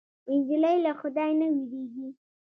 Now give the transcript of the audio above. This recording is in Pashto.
نجلۍ له خدای نه وېرېږي.